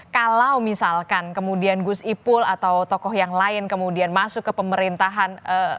kalau misalkan kemudian gus ipul atau tokoh yang lain kemudian masuk ke pemerintahan